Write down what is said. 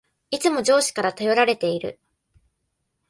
いつも上司から頼られている